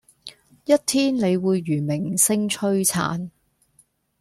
一天你會如明星璀璨